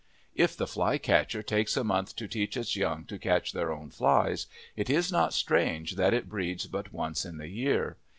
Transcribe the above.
If the flycatcher takes a month to teach its young to catch their own flies, it is not strange that it breeds but once in the year.